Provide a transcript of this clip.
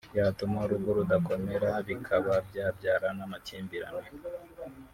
byatuma urugo rudakomera bikaba byabyara n’amakimbirane